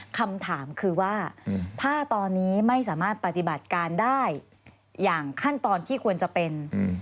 คำถามคือว่าถ้าตอนนี้ไม่สามารถปฏิบัติการได้อย่างขั้นตอนที่ควรจะเป็น